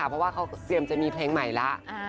เพราะว่าเขาเตรียมจะมีเพลงใหม่แล้ว